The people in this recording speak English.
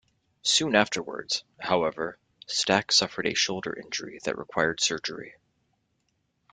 Soon afterwards, however, Stack suffered a shoulder injury that required surgery.